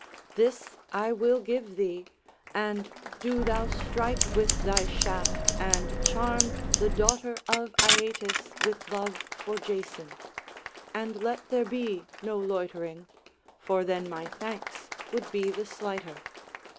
This I will give thee; and do thou strike with thy shaft and charm the daughter of Aeetes with love for Jason; and let there be no loitering. For then my thanks would be the slighter."